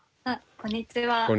こんにちは。